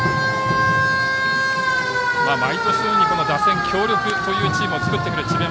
毎年のように打線が強力というチームを作ってくる智弁